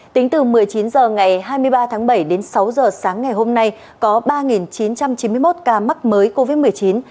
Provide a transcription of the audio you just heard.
tính từ một mươi chín h ngày hai mươi ba tháng bảy đến sáu giờ sáng ngày hôm nay có ba chín trăm chín mươi một ca mắc mới covid một mươi chín